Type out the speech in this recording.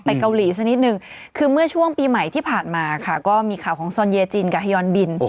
เกาหลีสักนิดนึงคือเมื่อช่วงปีใหม่ที่ผ่านมาค่ะก็มีข่าวของซอนเยจีนกับฮยอนบิน